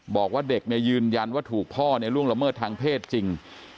บอกว่าเด็กยืนยันว่าถูกพ่อล่วงละเมิดทางเพศจริง